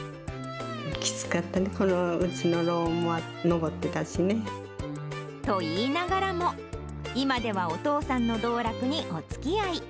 きつかったね。と言いながらも、今ではお父さんの道楽におつきあい。